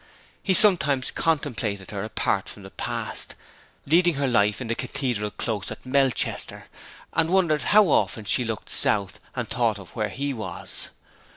He sometimes contemplated her apart from the past leading her life in the Cathedral Close at Melchester; and wondered how often she looked south and thought of where he was.